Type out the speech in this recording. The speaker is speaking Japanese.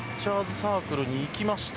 サークルに行きました。